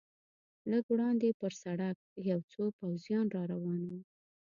لږ وړاندې پر سړک یو څو پوځیان را روان و.